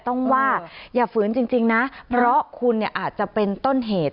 ต้องว่าอย่าฝืนจริงนะเพราะคุณเนี่ยอาจจะเป็นต้นเหตุ